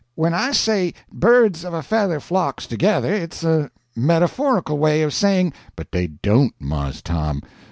"When I say birds of a feather flocks together, it's a metaphorical way of saying—" "But dey don't!, Mars Tom.